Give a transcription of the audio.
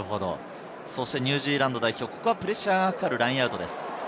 ニュージーランド代表、プレッシャーがかかるラインアウトです。